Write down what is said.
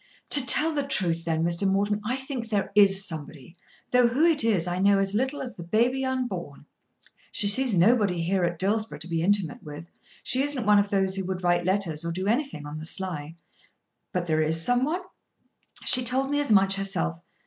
"To tell the truth then, Mr. Morton, I think there is somebody, though who it is I know as little as the baby unborn. She sees nobody here at Dillsborough to be intimate with. She isn't one of those who would write letters or do anything on the sly." "But there is some one?" "She told me as much herself.